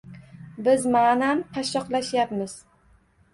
Biz ma`nan qashshoqlashyapmiz